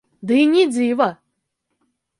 Ды і не дзіва.